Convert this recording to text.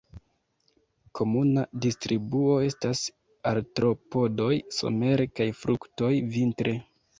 Komuna distribuo estas artropodoj somere kaj frukto vintre.